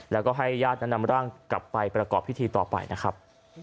แล้วก็ให้ญาตินั้นนำร่างกลับไปประกอบพิธีต่อไปนะครับ